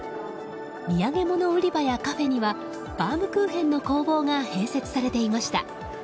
土産物売り場やカフェにはバウムクーヘンの工房が併設されていました。